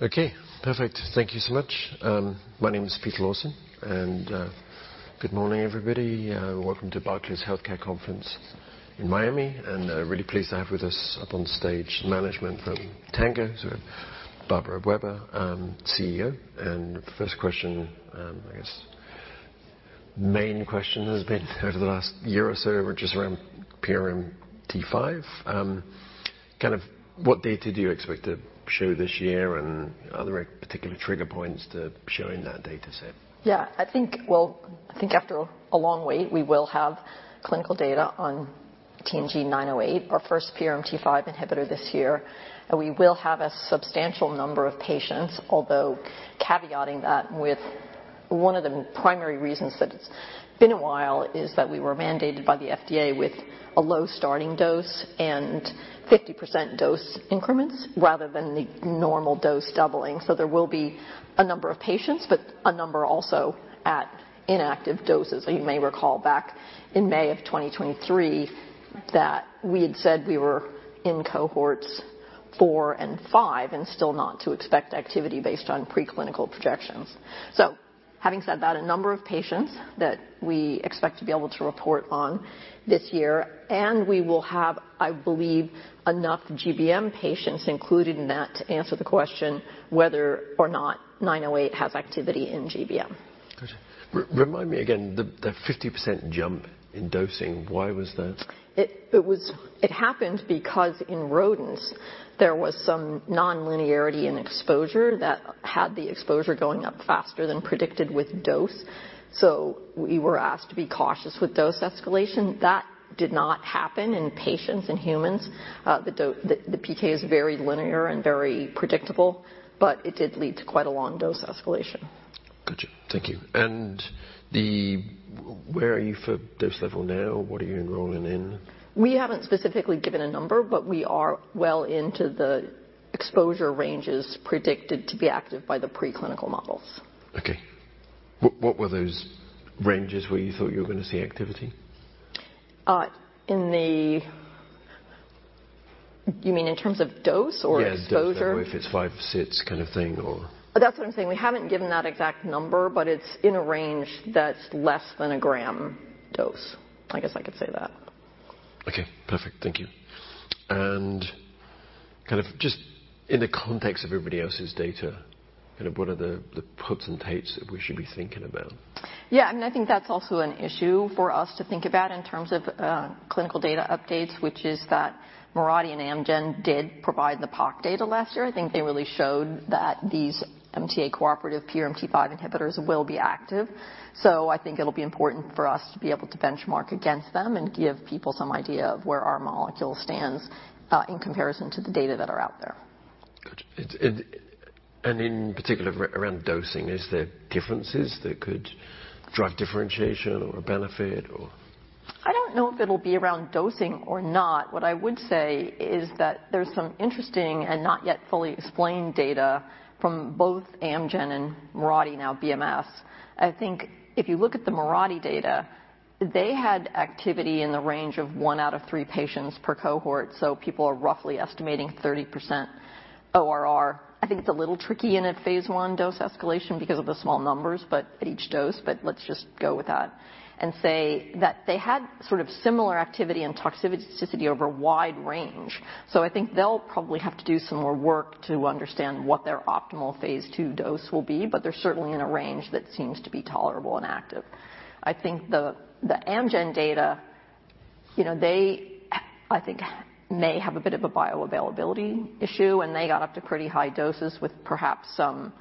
Okay, perfect. Thank you so much. My name's Peter Lawson, and good morning, everybody. Welcome to Barclays Healthcare Conference in Miami, and really pleased to have with us up on stage management from Tango, so Barbara Weber, CEO. And first question, I guess main question has been over the last year or so, which is around PRMT5. Kind of what data do you expect to show this year, and are there any particular trigger points to showing that data set? Yeah, well, I think after a long wait, we will have clinical data on TNG908, our first PRMT5 inhibitor this year. We will have a substantial number of patients, although caveating that with one of the primary reasons that it's been a while is that we were mandated by the FDA with a low starting dose and 50% dose increments rather than the normal dose doubling. So there will be a number of patients, but a number also at inactive doses. You may recall back in May of 2023 that we had said we were in cohorts 4 and 5 and still not to expect activity based on preclinical projections. So having said that, a number of patients that we expect to be able to report on this year, and we will have, I believe, enough GBM patients included in that to answer the question whether or not 908 has activity in GBM. Gotcha. Remind me again, the 50% jump in dosing, why was that? It happened because in rodents there was some nonlinearity in exposure that had the exposure going up faster than predicted with dose. So we were asked to be cautious with dose escalation. That did not happen in patients and humans. The PK is very linear and very predictable, but it did lead to quite a long dose escalation. Gotcha. Thank you. And where are you for dose level now? What are you enrolling in? We haven't specifically given a number, but we are well into the exposure ranges predicted to be active by the preclinical models. Okay. What were those ranges where you thought you were gonna see activity? You mean in terms of dose or exposure? Yeah, just if it's 5-6 kind of thing, or. That's what I'm saying. We haven't given that exact number, but it's in a range that's less than a gram dose. I guess I could say that. Okay. Perfect. Thank you. And kind of just in the context of everybody else's data, kind of what are the puts and takes that we should be thinking about? Yeah, I mean, I think that's also an issue for us to think about in terms of clinical data updates, which is that Mirati and Amgen did provide the POC data last year. I think they really showed that these MTA-cooperative PRMT5 inhibitors will be active. So I think it'll be important for us to be able to benchmark against them and give people some idea of where our molecule stands, in comparison to the data that are out there. Gotcha. It and in particular, around dosing, is there differences that could drive differentiation or a benefit, or? I don't know if it'll be around dosing or not. What I would say is that there's some interesting and not yet fully explained data from both Amgen and Mirati, now BMS. I think if you look at the Mirati data, they had activity in the range of 1 out of 3 patients per cohort, so people are roughly estimating 30% ORR. I think it's a little tricky in a phase I dose escalation because of the small numbers, but at each dose, but let's just go with that, and say that they had sort of similar activity and toxicity over a wide range. So I think they'll probably have to do some more work to understand what their optimal phase II dose will be, but they're certainly in a range that seems to be tolerable and active. I think the Amgen data, you know, they, I think, may have a bit of a bioavailability issue, and they got up to pretty high doses with perhaps some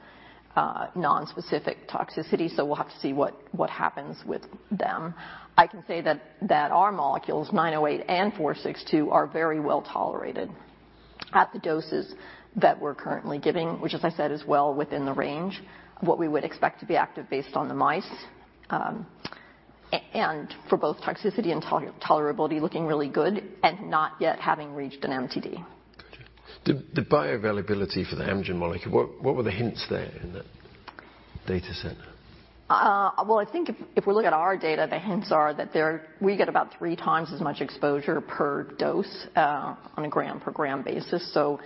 nonspecific toxicity. So we'll have to see what happens with them. I can say that our molecules, 908 and 462, are very well tolerated at the doses that we're currently giving, which, as I said, is well within the range of what we would expect to be active based on the mice. And for both toxicity and tolerability, looking really good and not yet having reached an MTD. Gotcha. The bioavailability for the Amgen molecule, what were the hints there in that data set? Well, I think if we look at our data, the hints are that there we get about 3x as much exposure per dose, on a gram-per-gram basis. So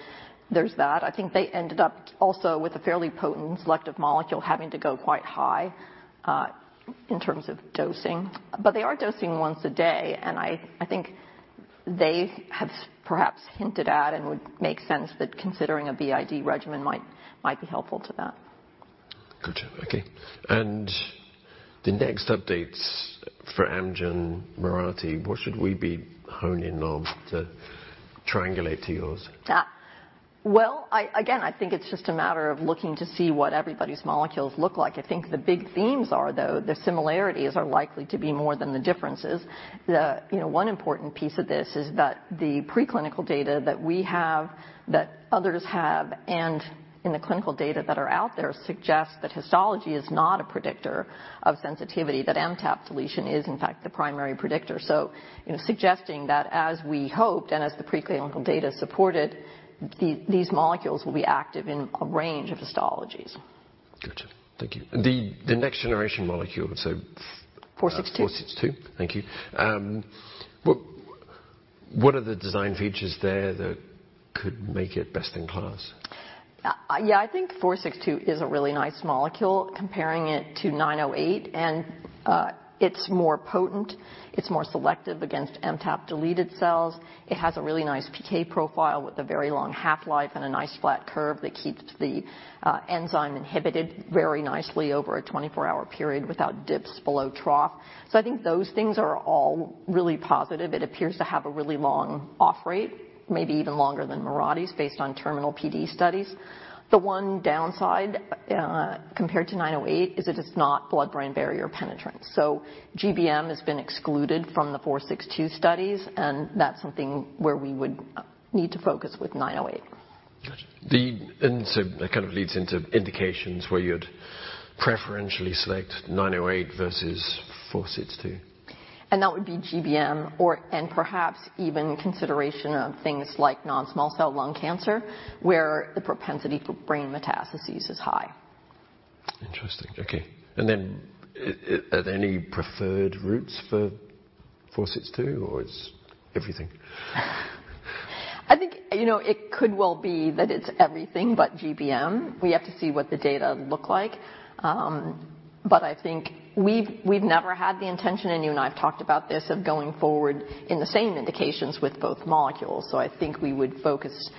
there's that. I think they ended up also with a fairly potent selective molecule having to go quite high, in terms of dosing. But they are dosing once a day, and I think they have perhaps hinted at and would make sense that considering a BID regimen might be helpful to that. Gotcha. Okay. And the next updates for Amgen, Mirati, what should we be honing on to triangulate to yours? Well, again, I think it's just a matter of looking to see what everybody's molecules look like. I think the big themes are, though, the similarities are likely to be more than the differences. You know, one important piece of this is that the preclinical data that we have, that others have, and in the clinical data that are out there suggest that histology is not a predictor of sensitivity, that MTAP deletion is, in fact, the primary predictor. So, you know, suggesting that as we hoped and as the preclinical data supported, these, these molecules will be active in a range of histologies. Gotcha. Thank you. The next generation molecule. 462. Thank you. What are the design features there that could make it best in class? Yeah, I think 462 is a really nice molecule comparing it to 908, and it's more potent. It's more selective against MTAP-deleted cells. It has a really nice PK profile with a very long half-life and a nice flat curve that keeps the enzyme inhibited very nicely over a 24-hour period without dips below trough. So I think those things are all really positive. It appears to have a really long off-rate, maybe even longer than Mirati's based on terminal PD studies. The one downside, compared to 908, is it is not blood-brain barrier penetrant. So GBM has been excluded from the 462 studies, and that's something where we would need to focus with 908. Gotcha. And so that kind of leads into indications where you'd preferentially select 908 versus 462. That would be GBM or perhaps even consideration of things like non-small cell lung cancer where the propensity for brain metastases is high. Interesting. Okay. And then are there any preferred routes for 462, or it's everything? I think, you know, it could well be that it's everything but GBM. We have to see what the data look like. But I think we've never had the intention, and you and I have talked about this, of going forward in the same indications with both molecules. So I think we would focus,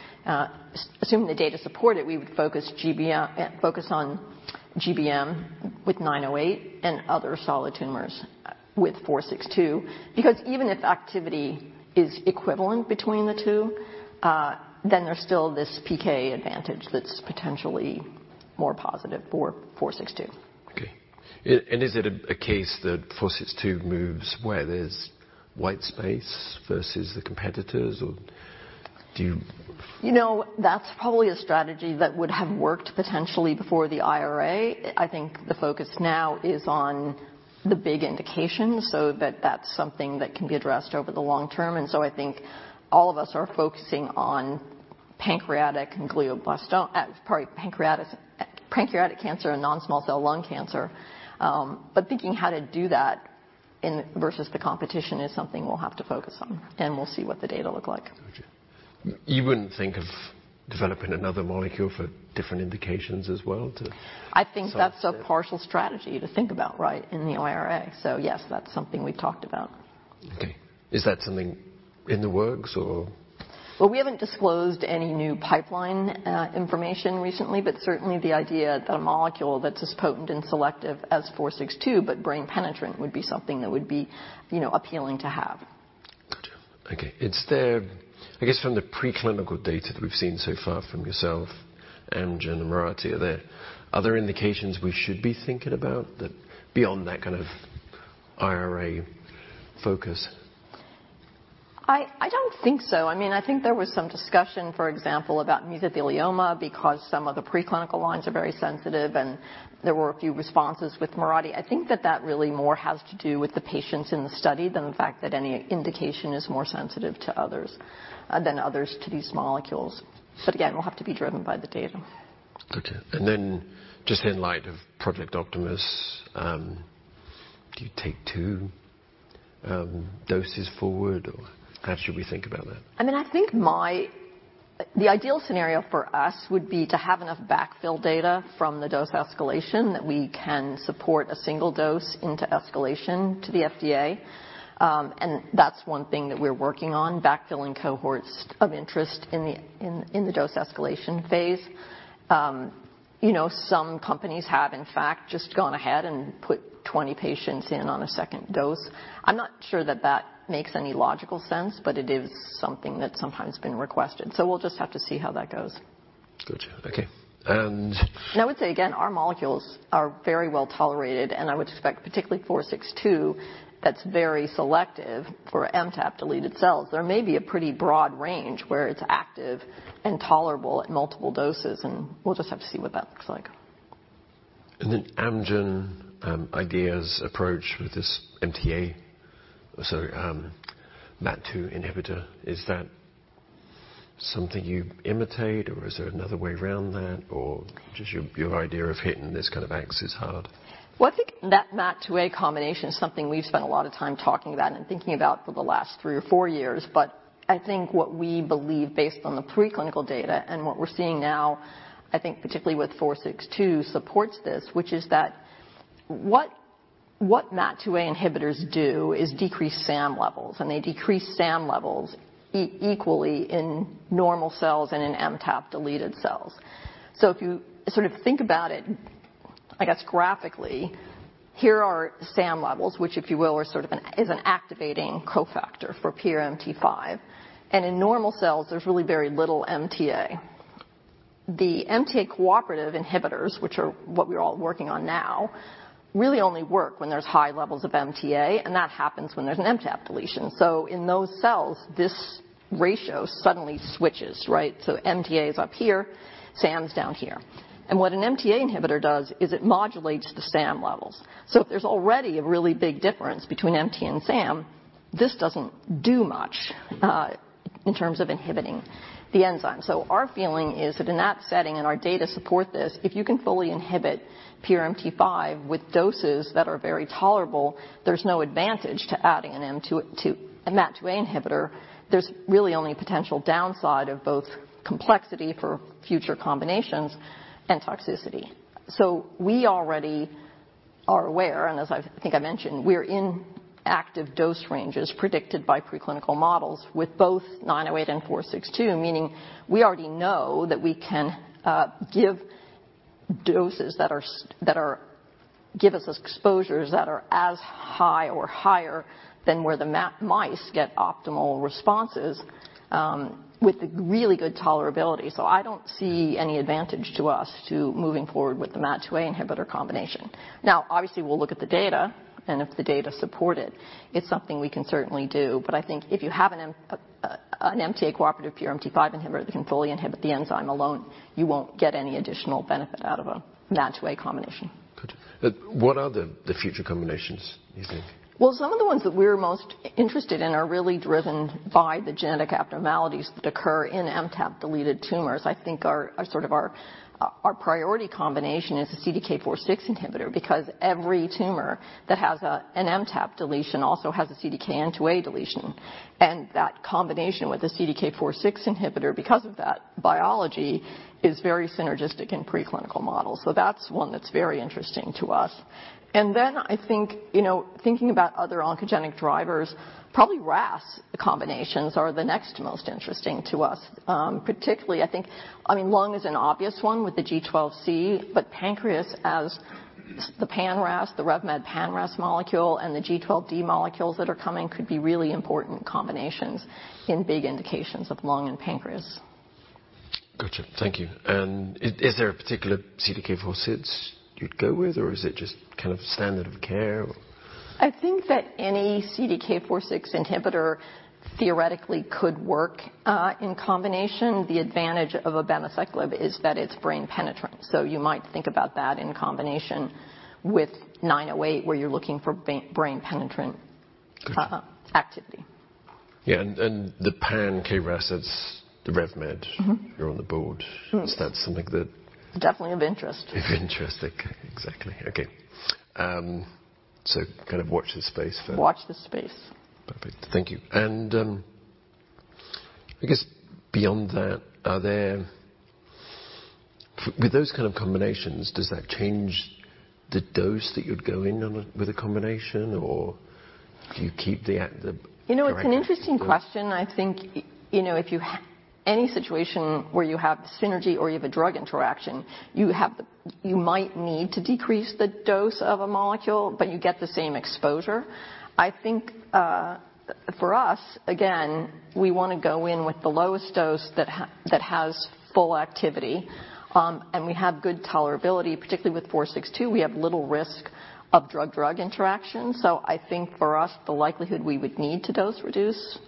assuming the data support it, we would focus GBM, focus on GBM with 908 and other solid tumors with 462. Because even if activity is equivalent between the two, then there's still this PK advantage that's potentially more positive for 462. Okay. And is it a case that 462 moves where? There's white space versus the competitors, or do you? You know, that's probably a strategy that would have worked potentially before the IRA. I think the focus now is on the big indications so that that's something that can be addressed over the long term. So I think all of us are focusing on pancreatic cancer and glioblastoma, pancreatic cancer and non-small cell lung cancer. But thinking how to do that in versus the competition is something we'll have to focus on, and we'll see what the data look like. Gotcha. You wouldn't think of developing another molecule for different indications as well to? I think that's a partial strategy to think about, right, in the IRA. So yes, that's something we've talked about. Okay. Is that something in the works, or? Well, we haven't disclosed any new pipeline information recently, but certainly the idea that a molecule that's as potent and selective as 462 but brain penetrant would be something that would be, you know, appealing to have. Gotcha. Okay. It's there, I guess, from the preclinical data that we've seen so far from yourself, Amgen, and Mirati. Are there other indications we should be thinking about that beyond that kind of IRA focus? I don't think so. I mean, I think there was some discussion, for example, about mesothelioma because some of the preclinical lines are very sensitive, and there were a few responses with Mirati. I think that that really more has to do with the patients in the study than the fact that any indication is more sensitive to others, than others to these molecules. But again, we'll have to be driven by the data. Gotcha. And then just in light of Project Optimus, do you take 2 doses forward, or how should we think about that? I mean, I think the ideal scenario for us would be to have enough backfill data from the dose escalation that we can support a single dose into escalation to the FDA. That's one thing that we're working on, backfilling cohorts of interest in the dose escalation phase. You know, some companies have, in fact, just gone ahead and put 20 patients in on a second dose. I'm not sure that that makes any logical sense, but it is something that's sometimes been requested. So we'll just have to see how that goes. Gotcha. Okay. And. I would say, again, our molecules are very well tolerated, and I would expect, particularly 462, that's very selective for MTAP-deleted cells. There may be a pretty broad range where it's active and tolerable at multiple doses, and we'll just have to see what that looks like. Then Amgen's approach with this MTA, so, MAT2A inhibitor, is that something you emulate, or is there another way around that, or just your idea of hitting this kind of axis hard? Well, I think that MAT2A combination is something we've spent a lot of time talking about and thinking about for the last three or four years. But I think what we believe, based on the preclinical data and what we're seeing now, I think particularly with 462, supports this, which is that what MAT2A inhibitors do is decrease SAM levels, and they decrease SAM levels equally in normal cells and in MTAP-deleted cells. So if you sort of think about it, I guess, graphically, here are SAM levels, which, if you will, are sort of an activating cofactor for PRMT5. And in normal cells, there's really very little MTA. The MTA cooperative inhibitors, which are what we're all working on now, really only work when there's high levels of MTA, and that happens when there's an MTAP deletion. So in those cells, this ratio suddenly switches, right? So MTA is up here, SAM is down here. And what an MTA inhibitor does is it modulates the SAM levels. So if there's already a really big difference between MTA and SAM, this doesn't do much, in terms of inhibiting the enzyme. So our feeling is that in that setting and our data support this, if you can fully inhibit PRMT5 with doses that are very tolerable, there's no advantage to adding a MAT2A to a MAT2A inhibitor. There's really only a potential downside of both complexity for future combinations and toxicity. So we already are aware and, as I think I mentioned, we're in active dose ranges predicted by preclinical models with both 908 and 462, meaning we already know that we can give doses that give us exposures that are as high or higher than where the MAT mice get optimal responses, with really good tolerability. So I don't see any advantage to us to moving forward with the MAT2A inhibitor combination. Now, obviously, we'll look at the data, and if the data support it, it's something we can certainly do. But I think if you have an MTA-cooperative PRMT5 inhibitor that can fully inhibit the enzyme alone, you won't get any additional benefit out of a MAT2A combination. Gotcha. What are the future combinations, do you think? Well, some of the ones that we're most interested in are really driven by the genetic abnormalities that occur in MTAP-deleted tumors. I think our sort of priority combination is a CDK4/6 inhibitor because every tumor that has an MTAP deletion also has a CDKN2A deletion. That combination with a CDK4/6 inhibitor, because of that biology, is very synergistic in preclinical models. So that's one that's very interesting to us. And then I think, you know, thinking about other oncogenic drivers, probably RAS combinations are the next most interesting to us, particularly I think I mean, lung is an obvious one with the G12C, but pancreas as the pan-RAS, the RevMed pan-RAS molecule, and the G12D molecules that are coming could be really important combinations in big indications of lung and pancreas. Gotcha. Thank you. And is there a particular CDK4/6 you'd go with, or is it just kind of standard of care, or? I think that any CDK4/6 inhibitor theoretically could work, in combination. The advantage of abemaciclib is that it's brain penetrant, so you might think about that in combination with 908 where you're looking for brain-penetrant activity. Gotcha. Yeah. And the pan-KRAS, that's the RevMed. Mm-hmm. You're on the board. Mm-hmm. Is that something that? Definitely of interest. Of interest. Okay. Exactly. Okay, so kind of watch this space for. Watch this space. Perfect. Thank you. And, I guess beyond that, are there effects with those kind of combinations? Does that change the dose that you'd go in with a combination, or do you keep the actual? You know, it's an interesting question. I think, you know, if you have any situation where you have synergy or you have a drug interaction, you might need to decrease the dose of a molecule, but you get the same exposure. I think, for us, again, we wanna go in with the lowest dose that has full activity, and we have good tolerability. Particularly with 462, we have little risk of drug-drug interaction. So I think for us, the likelihood we would need to dose-reduce,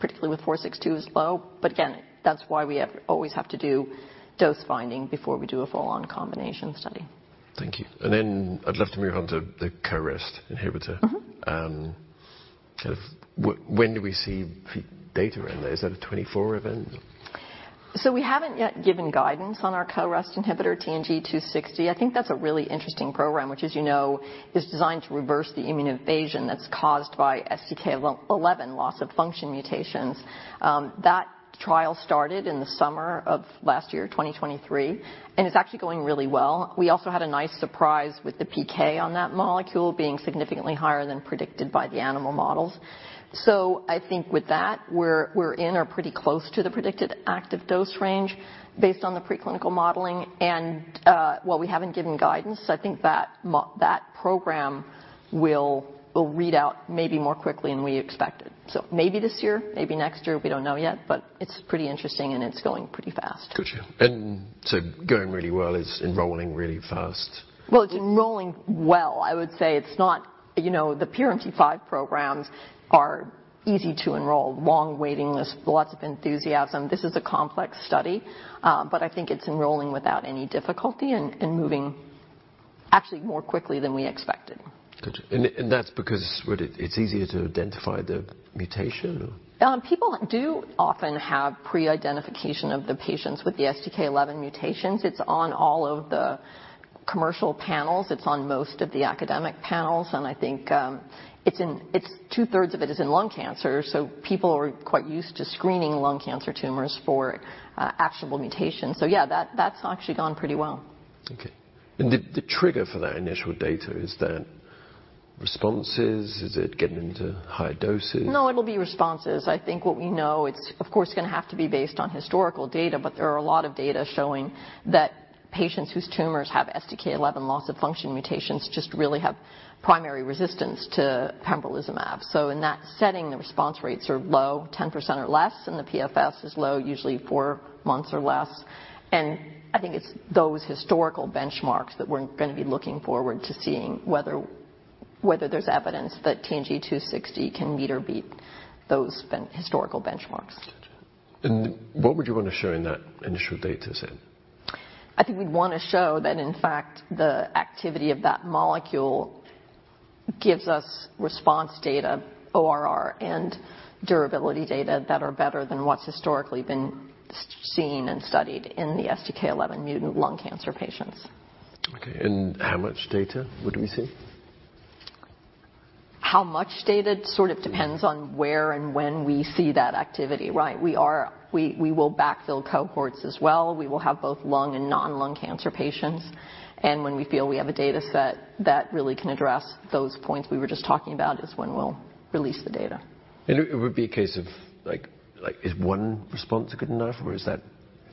particularly with 462, is low. But again, that's why we always have to do dose finding before we do a full-on combination study. Thank you. Then I'd love to move on to the CoREST inhibitor. Mm-hmm. Kind of, when do we see Phase data around there? Is that a 2024 event, or? So we haven't yet given guidance on our CoREST inhibitor, TNG260. I think that's a really interesting program, which, as you know, is designed to reverse the immune evasion that's caused by STK11 loss-of-function mutations. That trial started in the summer of last year, 2023, and it's actually going really well. We also had a nice surprise with the PK on that molecule being significantly higher than predicted by the animal models. So I think with that, we're in or pretty close to the predicted active dose range based on the preclinical modeling. Well, we haven't given guidance, so I think that program will read out maybe more quickly than we expected. So maybe this year, maybe next year. We don't know yet, but it's pretty interesting, and it's going pretty fast. Gotcha. And so going really well is enrolling really fast. Well, it's enrolling well. I would say it's not you know, the PRMT5 programs are easy to enroll, long waiting list, lots of enthusiasm. This is a complex study, but I think it's enrolling without any difficulty and moving actually more quickly than we expected. Gotcha. And that's because what it's easier to identify the mutation, or? People do often have pre-identification of the patients with the STK11 mutations. It's on all of the commercial panels. It's on most of the academic panels. And I think, it's in—it's two-thirds of it is in lung cancer, so people are quite used to screening lung cancer tumors for actionable mutations. So yeah, that's actually gone pretty well. Okay. And the trigger for that initial data is that responses? Is it getting into higher doses? No, it'll be responses. I think what we know, it's, of course, gonna have to be based on historical data, but there are a lot of data showing that patients whose tumors have STK11 loss of function mutations just really have primary resistance to pembrolizumab. So in that setting, the response rates are low, 10% or less, and the PFS is low, usually four months or less. And I think it's those historical benchmarks that we're gonna be looking forward to seeing whether, whether there's evidence that TNG260 can meet or beat those historical benchmarks. Gotcha. And what would you wanna show in that initial data set? I think we'd wanna show that, in fact, the activity of that molecule gives us response data, ORR, and durability data that are better than what's historically been seen and studied in the STK11 mutant lung cancer patients. Okay. How much data would we see? How much data sort of depends on where and when we see that activity, right? We will backfill cohorts as well. We will have both lung and non-lung cancer patients. When we feel we have a data set that really can address those points we were just talking about is when we'll release the data. It would be a case of, like, is one response good enough, or is that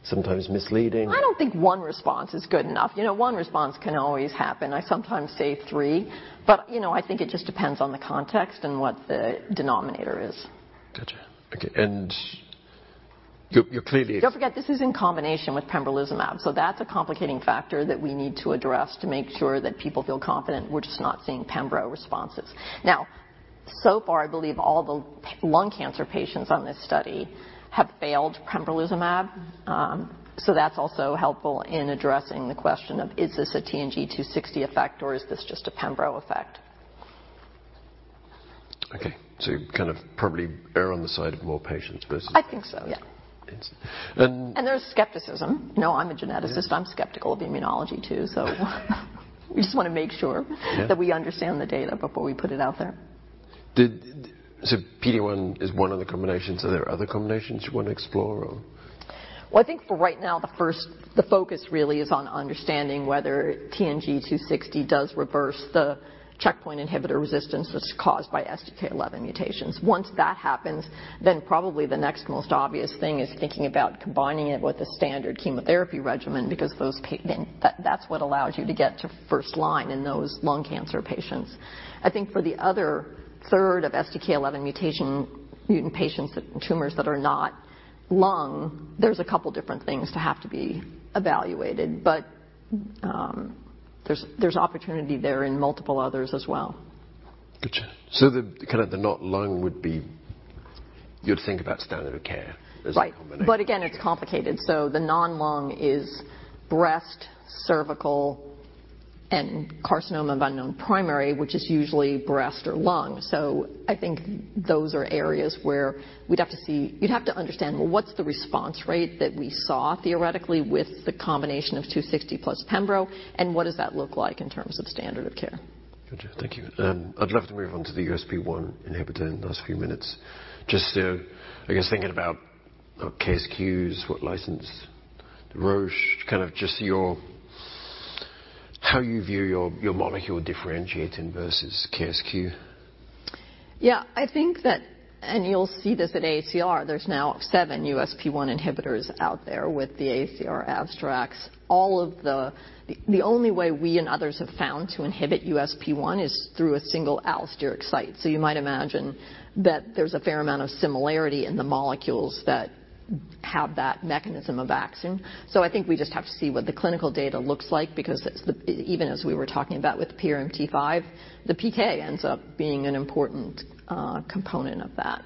sometimes misleading? I don't think one response is good enough. You know, one response can always happen. I sometimes say three, but, you know, I think it just depends on the context and what the denominator is. Gotcha. Okay. And you're clearly. Don't forget, this is in combination with pembrolizumab, so that's a complicating factor that we need to address to make sure that people feel confident we're just not seeing Pembro responses. Now, so far, I believe all the lung cancer patients on this study have failed pembrolizumab, so that's also helpful in addressing the question of, is this a TNG260 effect, or is this just a Pembro effect? Okay. So you kind of probably err on the side of more patients versus. I think so. Yeah. And. There's skepticism. You know, I'm a geneticist. I'm skeptical of immunology too, so we just wanna make sure. Yeah. That we understand the data before we put it out there. So PD-1 is one of the combinations. Are there other combinations you wanna explore, or? Well, I think for right now, the focus really is on understanding whether TNG260 does reverse the checkpoint inhibitor resistance that's caused by STK11 mutations. Once that happens, then probably the next most obvious thing is thinking about combining it with a standard chemotherapy regimen because that's what allows you to get to first line in those lung cancer patients. I think for the other third of STK11 mutation mutant patients whose tumors are not lung, there's a couple different things that have to be evaluated, but there's opportunity there in multiple others as well. Gotcha. So the kind of non-lung would be you'd think about standard of care as a combination. Right. But again, it's complicated. So the non-lung is breast, cervical, and carcinoma of unknown primary, which is usually breast or lung. So I think those are areas where we'd have to see you'd have to understand, well, what's the response rate that we saw theoretically with the combination of 260+ Pembro, and what does that look like in terms of standard of care? Gotcha. Thank you. I'd love to move on to the USP1 inhibitor in the last few minutes. Just, I guess thinking about KSQ's, what license Roche kind of just your how you view your, your molecule differentiating versus KSQ. Yeah. I think that and you'll see this at AACR. There's now seven USP1 inhibitors out there with the AACR abstracts. All of the only way we and others have found to inhibit USP1 is through a single allosteric site. So you might imagine that there's a fair amount of similarity in the molecules that have that mechanism of action. So I think we just have to see what the clinical data looks like because it's the even as we were talking about with PRMT5, the PK ends up being an important component of that.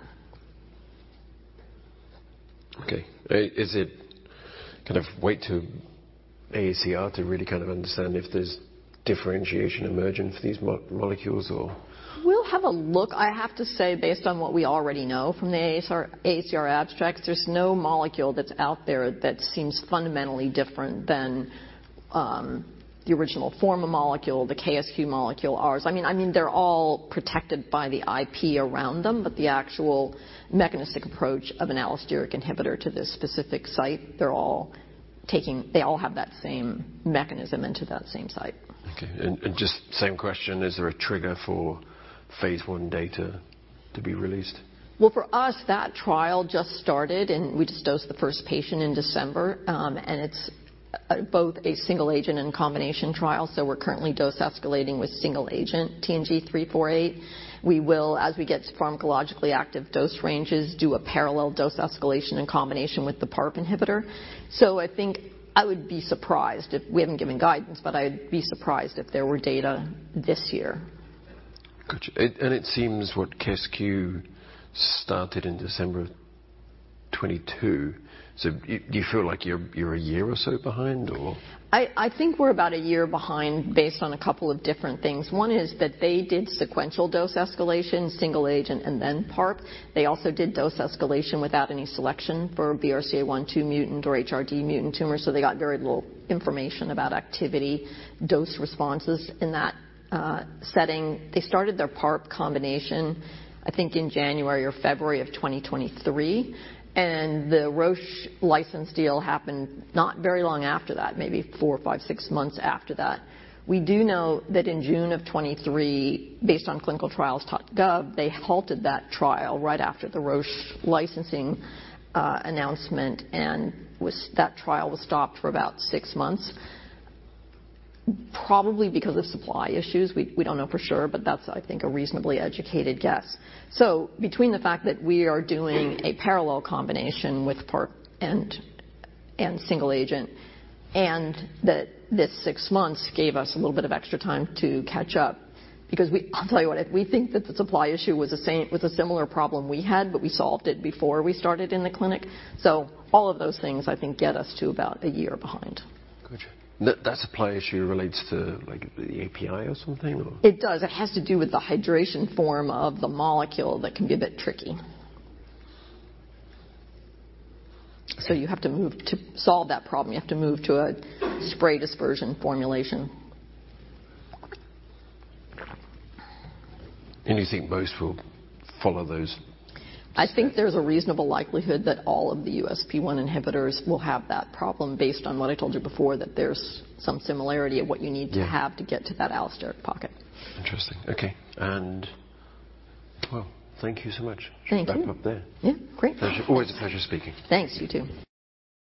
Okay. Is it kind of wait till AACR to really kind of understand if there's differentiation emerging for these molecules, or? We'll have a look. I have to say, based on what we already know from the AACR abstracts, there's no molecule that's out there that seems fundamentally different than the original Pharma molecule, the KSQ molecule, ours. I mean, they're all protected by the IP around them, but the actual mechanistic approach of an allosteric inhibitor to this specific site, they're all taking they all have that same mechanism into that same site. Okay. And just same question, is there a trigger for phase I data to be released? Well, for us, that trial just started, and we just dosed the first patient in December, and it's both a single agent and combination trial, so we're currently dose escalating with single agent TNG348. We will, as we get pharmacologically active dose ranges, do a parallel dose escalation in combination with the PARP inhibitor. So I think I would be surprised if we haven't given guidance, but I would be surprised if there were data this year. Gotcha. And it seems what KSQ started in December 2022. So you feel like you're a year or so behind, or? I think we're about a year behind based on a couple of different things. One is that they did sequential dose escalation, single agent, and then PARP. They also did dose escalation without any selection for BRCA1/2 mutant or HRD mutant tumors, so they got very little information about activity, dose responses in that setting. They started their PARP combination, I think, in January or February of 2023, and the Roche license deal happened not very long after that, maybe four, five, six months after that. We do know that in June of 2023, based on ClinicalTrials.gov, they halted that trial right after the Roche licensing announcement, and that trial was stopped for about six months, probably because of supply issues. We don't know for sure, but that's, I think, a reasonably educated guess. So between the fact that we are doing a parallel combination with PARP and single agent and that this six months gave us a little bit of extra time to catch up because we, I'll tell you what, if we think that the supply issue was a pain with a similar problem we had, but we solved it before we started in the clinic, so all of those things, I think, get us to about a year behind. Gotcha. That supply issue relates to, like, the API or something, or? It does. It has to do with the hydration form of the molecule that can be a bit tricky. So you have to move to solve that problem. You have to move to a spray-dried dispersion formulation. You think most will follow those? I think there's a reasonable likelihood that all of the USP1 inhibitors will have that problem based on what I told you before, that there's some similarity of what you need to have to get to that allosteric pocket. Interesting. Okay. And well, thank you so much. Thank you. Let's wrap up there. Yeah. Great. Pleasure, always a pleasure speaking. Thanks. You too.